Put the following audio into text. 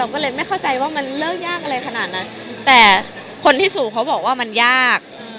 ก็เลยไม่เข้าใจว่ามันเลิกยากอะไรขนาดนั้นแต่คนที่สูบเขาบอกว่ามันยาก